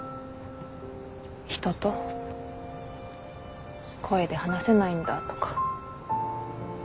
人と声で話せないんだとか。